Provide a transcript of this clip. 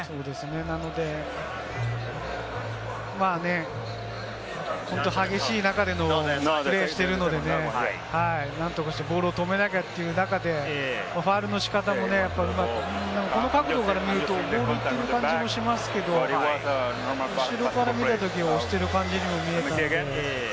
なので激しい中でプレーしているのでね、何とかしてボールを止めなきゃという中で、ファウルの仕方もね、この角度から見ると、こういった感じもしますけれども、後ろから見た時、押した感じにも見えましたからね。